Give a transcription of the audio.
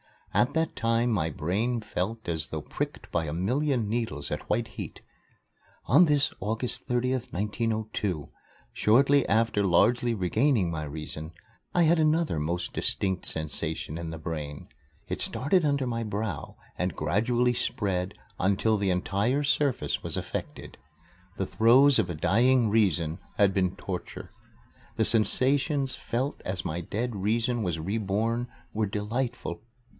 At that time my brain felt as though pricked by a million needles at white heat. On this August 30th, 1902, shortly after largely regaining my reason, I had another most distinct sensation in the brain. It started under my brow and gradually spread until the entire surface was affected. The throes of a dying Reason had been torture. The sensations felt as my dead Reason was reborn were delightful.